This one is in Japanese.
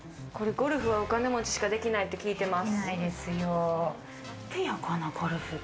ゴルフはお金持ちしかできないって聞いてます。